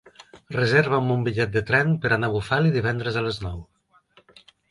Reserva'm un bitllet de tren per anar a Bufali divendres a les nou.